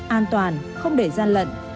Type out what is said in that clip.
an toàn không để gian lận